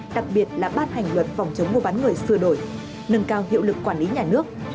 đặc biệt là ban hành luật phòng chống mua bán người sửa đổi nâng cao hiệu lực quản lý nhà nước